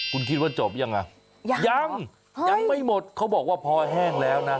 คุณคิดว่าจบยังไงยังยังไม่หมดเขาบอกว่าพอแห้งแล้วนะ